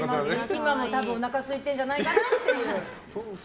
今も多分おなかすいてるんじゃないかなっていう。